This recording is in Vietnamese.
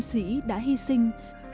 những chiến sĩ đã hy sinh